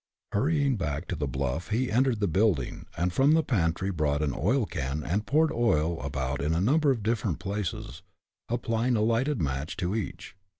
Hurrying back to the bluff he entered the building, and from the pantry brought an oil can and poured oil about in a number of different places, applying a lighted match to each.